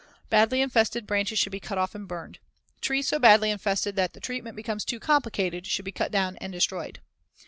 Badly infested branches should be cut off and burned. Trees so badly infested that treatment becomes too complicated should be cut down and destroyed.